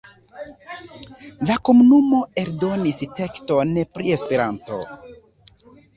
La komunumo eldonis tekston pri Esperanto.